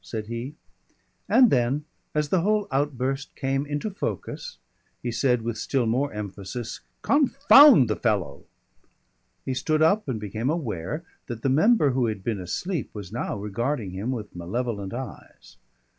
said he. And then as the whole outburst came into focus, he said with still more emphasis, "Confound the fellow!" He stood up and became aware that the member who had been asleep was now regarding him with malevolent eyes.